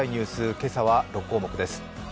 今朝は６項目です。